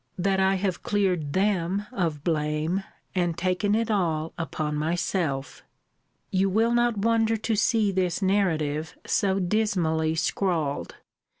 that I have cleared them of blame, and taken it all upon myself! You will not wonder to see this narrative so dismally scrawled.